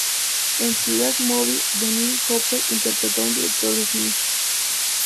En "The Last Movie" de Dennis Hopper, interpretó a un director de cine.